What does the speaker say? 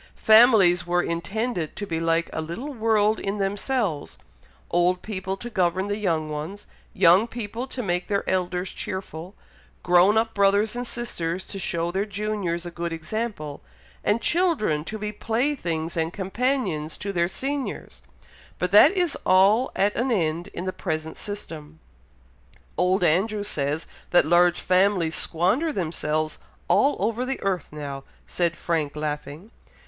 Families were intended to be like a little world in themselves old people to govern the young ones young people to make their elders cheerful grown up brothers and sisters to show their juniors a good example and children to be playthings and companions to their seniors, but that is all at an end in the present system." "Old Andrew says that large families 'squander' themselves all over the earth now," said Frank, laughing.